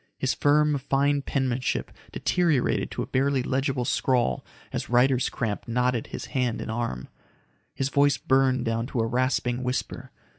His firm, fine penmanship deteriorated to a barely legible scrawl as writer's cramp knotted his hand and arm. His voice burned down to a rasping whisper.